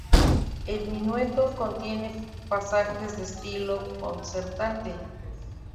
El minueto contiene pasajes de estilo concertante.